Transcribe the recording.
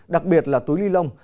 đặc biệt là túi ni lông